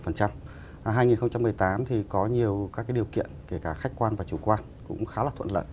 năm hai nghìn một mươi tám thì có nhiều các điều kiện kể cả khách quan và chủ quan cũng khá là thuận lợi